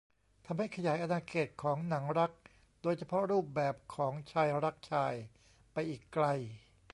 ทำให้ขยายอาณาเขตของหนังรัก โดยเฉพาะรูปแบบของชายรักชายไปอีกไกล